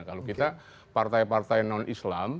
kalau kita partai partai non islam